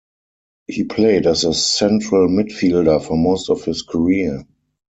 He played as a central midfielder for most of his career.